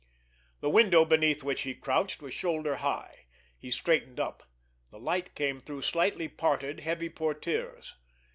The window beneath which he crouched was shoulder high. He straightened up. The light came through slightly parted, heavy portières.